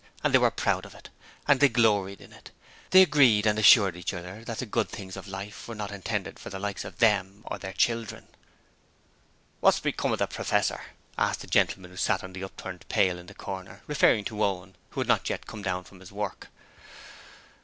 And they were proud of it. They gloried in it. They agreed and assured each other that the good things of life were not intended for the 'Likes of them', or their children. 'Wot's become of the Professor?' asked the gentleman who sat on the upturned pail in the corner, referring to Owen, who had not yet come down from his work.